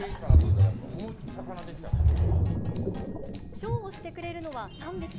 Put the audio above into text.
ショーをしてくれるのは、３匹。